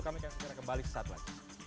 kami akan kembali sesaat lain